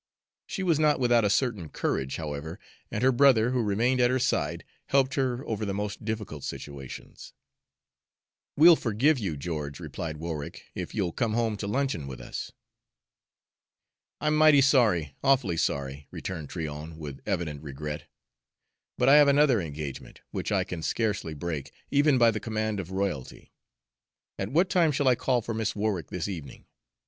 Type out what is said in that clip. She was not without a certain courage, however, and her brother, who remained at her side, helped her over the most difficult situations. "We'll forgive you, George," replied Warwick, "if you'll come home to luncheon with us." "I'm mighty sorry awfully sorry," returned Tryon, with evident regret, "but I have another engagement, which I can scarcely break, even by the command of royalty. At what time shall I call for Miss Warwick this evening?